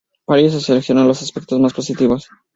Para ello se selecciona los aspectos más positivos.